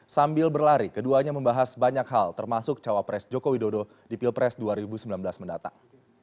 sambil berlari keduanya membahas banyak hal termasuk cawapres jokowi dodo di pilpres dua ribu sembilan belas mendatang